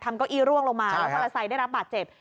ทำเก้าอี้ร่วงลงมาปราไซด์ได้รับบาดเจ็บ